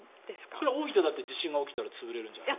それは大分だって地震が起きたら潰れるんじゃないの？